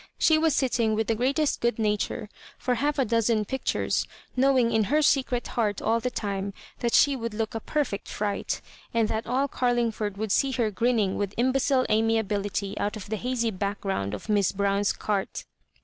She was sitting with the greatest good nature for half a dozen pictures, knowing in her secret heart all the time that she would look a perfe^st fright, and that all Carlingford would see her grinning with imbecile amiability out of the hazy background of Miss Brown's cartes.